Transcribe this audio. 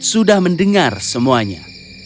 sudah mendengar semuanya